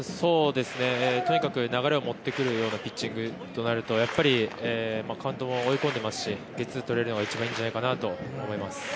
とにかく流れを持ってくるようなピッチングとなるとカウントも追い込んでますしゲッツーとれるのが一番いいんじゃないかなと思います。